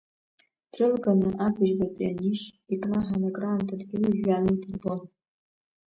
Дрылганы, абыжьбатәи анишь, икнаҳаны акраамҭа дгьыли жәҩани идирбон.